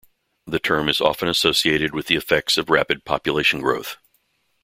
The term is often associated with the effects of rapid population growth.